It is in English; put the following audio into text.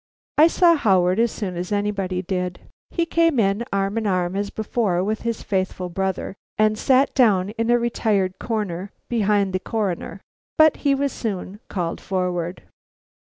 I saw Howard as soon as anybody did. He came in, arm in arm as before, with his faithful brother, and sat down in a retired corner behind the Coroner. But he was soon called forward.